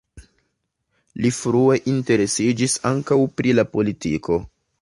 Li frue interesiĝis ankaŭ pri la politiko.